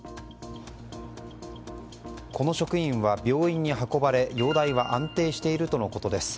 この職員は病院に運ばれ容体は安定しているとのことです。